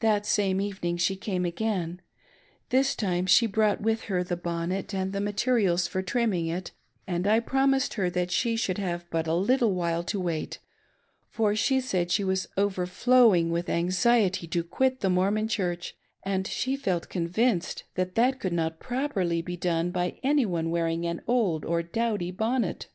The same evening she came again. This time she brought with her the bonnet and the materials for trimming it, and I promised her that she should have but a little while, to wait ; for she said she was overflowing with anxiety to quit the Mor mon Church, and she felt convinced that that could not properly be done by any one wearing an old or dowdy bonnet.